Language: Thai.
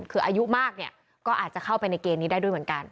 คืออายุมากเนี่ยก็อาจจะเข้าไปในเกณฑ์นี้ได้ด้วยเหมือนกัน